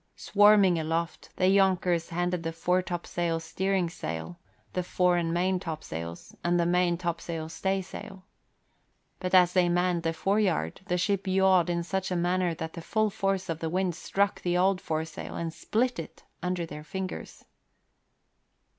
Swarming aloft, the younkers handed the fore topsail steering sail, the fore and main topsails, and the main topsail staysail. But as they manned the foreyard, the ship yawed in such a manner that the full force of the wind struck the old foresail and split it under their fingers.